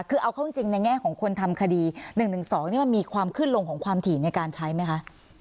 คือเอาเข้าจริงในแง่ของคนทำคดี๑๑๒นี่มันมีความขึ้นลงของความถี่ในการใช้ไหมคะ